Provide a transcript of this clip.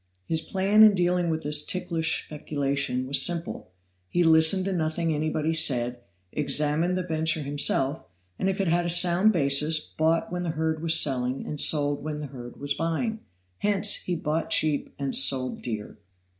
His plan in dealing with this ticklish speculation was simple. He listened to nothing anybody said, examined the venture himself, and, if it had a sound basis, bought when the herd was selling, and sold wherever the herd was buying. Hence, he bought cheap and sold dear.